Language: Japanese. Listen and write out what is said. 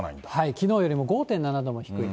きのうよりも５．７度も低い。